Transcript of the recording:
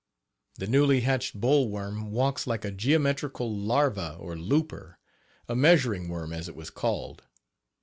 The newly hatched boll worm walks like a geometrical larva or looper, a measuring worm as it was called.